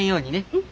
うん。